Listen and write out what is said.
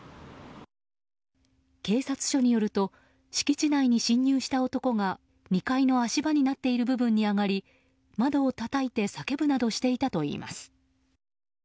警察署によると敷地内に侵入した男が２階の足場になっている部分に上がり窓をたたいて叫ぶなどしていたということです。